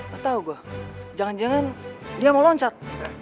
gak tau gue jangan jangan dia mau loncat